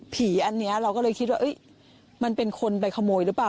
อันนี้เราก็เลยคิดว่ามันเป็นคนไปขโมยหรือเปล่า